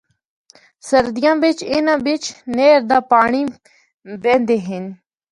سردیاں بچ اناں بچ نہر دا پانڑی بیندے ہن۔